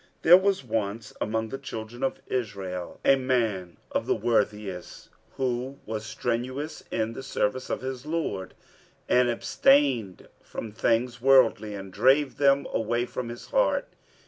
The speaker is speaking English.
There was once, among the Children of Israel, a man of the worthiest, who was strenuous in the service of his Lord and abstained from things worldly and drave them away from his heart.